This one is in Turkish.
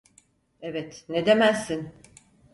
Evet, ne demezsin.